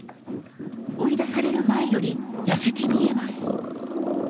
追い出される前より痩せて見えます。